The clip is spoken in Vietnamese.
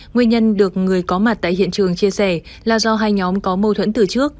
nguyên nhân được người có mặt tại hiện trường chia sẻ là do hai nhóm có mâu thuẫn từ trước